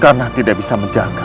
karena tidak bisa menjaga